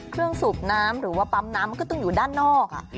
สูบน้ำหรือว่าปั๊มน้ำมันก็ต้องอยู่ด้านนอก